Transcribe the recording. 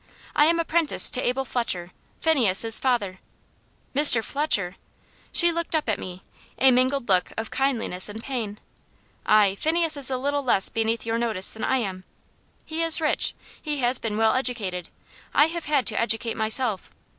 I am apprentice to Abel Fletcher Phineas's father." "Mr. Fletcher!" She looked up at me a mingled look of kindliness and pain. "Ay, Phineas is a little less beneath your notice than I am. He is rich he has been well educated; I have had to educate myself.